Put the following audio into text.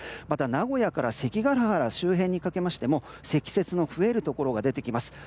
また名古屋から関ケ原周辺に掛けましても積雪の増えるところが出てきます。